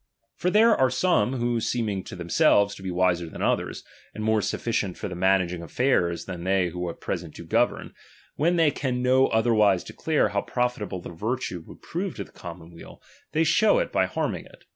For there are some, who seeming to themselves to be wiser than others, and more sufficient for the managing of affairs than they DOMINION, 175 who at present do govern, when they can no chap, xm, otherwise declare how profitable their virtue would prove to the commonweal, they show it by harming it.